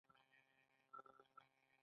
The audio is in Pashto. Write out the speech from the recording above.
هغه وايي چې ما په کار ګومارلي یاست